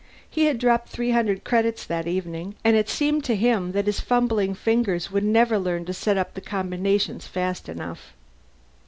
He had dropped three hundred credits that evening, and it seemed to him that his fumbling fingers would never learn to set up the combinations fast enough.